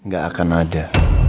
gak akan ada